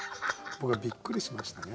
僕はびっくりしましたね。